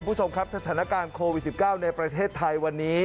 คุณผู้ชมครับสถานการณ์โควิด๑๙ในประเทศไทยวันนี้